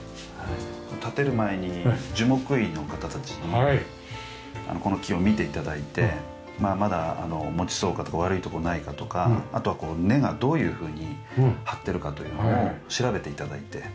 建てる前に樹木医の方たちにこの木を見て頂いてまだ持ちそうかとか悪いところないかとかあとは根がどういうふうに張ってるかというのを調べて頂いて。